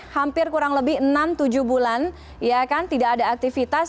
hampir kurang lebih enam tujuh bulan ya kan tidak ada aktivitas